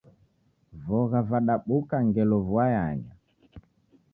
Vogha vadabuka ngelo vua yanya